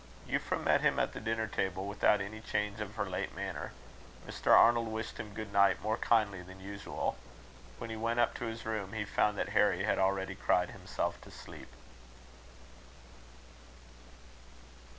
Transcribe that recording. Euphra met him at the dinner table without any change of her late manner. Mr. Arnold wished him good night more kindly than usual. When he went up to his room, he found that Harry had already cried himself to sleep.